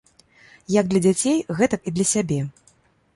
Як для дзяцей, гэтак і для сябе.